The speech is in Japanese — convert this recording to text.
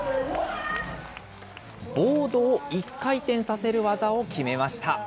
ボードを１回転させる技を決めました。